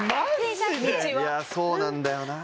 いやあそうなんだよな。